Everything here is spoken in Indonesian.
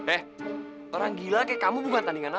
eh orang gila kayak kamu bukan tandingan